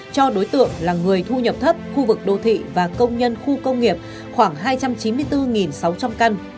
cho đối tượng là người thu nhập thấp khu vực đô thị và công nhân khu công nghiệp khoảng hai trăm chín mươi bốn sáu trăm linh căn